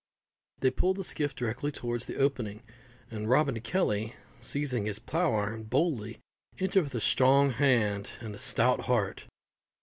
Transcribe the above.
They pulled the skiff directly towards the opening, and Robin Kelly, seizing his plough iron, boldly entered with a strong hand and a stout heart.